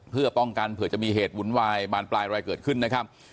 เพื่อป้องกันเผื่อจะมีเหตุวุ่นวายบานปลายอะไรเกิดขึ้นนะครับ